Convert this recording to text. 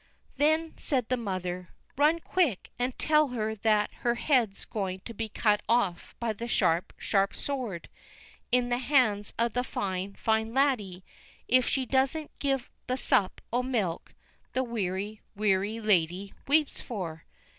Then said his mother: "Run quick and tell her that her head's going to be cut off by the sharp, sharp sword in the hands of the fine, fine laddie, if she doesn't give the sup o' milk the weary, weary lady weeps for."